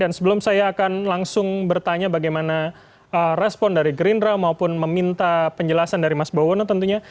dan sebelum saya akan langsung bertanya bagaimana respon dari gerindra maupun meminta penjelasan dari mas bawono tentunya